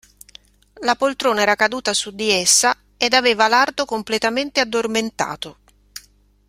La poltrona era caduta su di essa, ed aveva l'arto completamente addormentato.